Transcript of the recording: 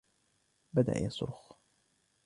بدأ يصرخ.